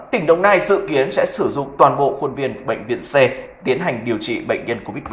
tỉnh đồng nai dự kiến sẽ sử dụng toàn bộ khuôn viên bệnh viện c tiến hành điều trị bệnh nhân covid một mươi chín